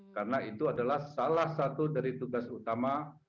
karena itu adalah salah satu dari tugas utama